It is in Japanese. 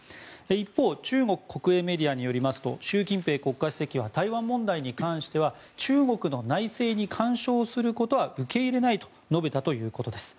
一方中国国営メディアによりますと習近平国家主席は台湾問題に関しては中国の内政に干渉することは受け入れないと述べたということです。